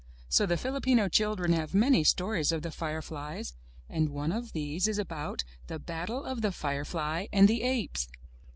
So the Filipino children have many stories of the fireflies, and one of these is about The Battle of the Firefly and the Apes.